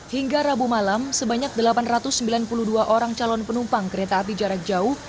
hingga rabu malam sebanyak delapan ratus sembilan puluh dua orang calon penumpang kereta api jarak jauh